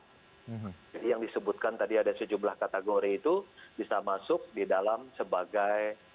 yang disebutkan tadi ada sejumlah kategori itu bisa masuk di dalam sebagai